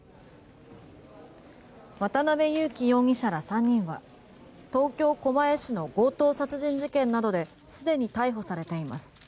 渡邉優樹容疑者ら３人は東京・狛江市の強盗殺人事件などですでに逮捕されています。